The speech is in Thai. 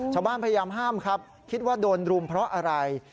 พยายามห้ามครับคิดว่าโดนรุมเพราะอะไร